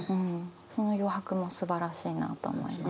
その余白もすばらしいなと思います。